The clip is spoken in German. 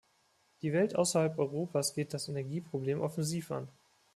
Die Welt außerhalb Europas geht das Energieproblem offensiv an.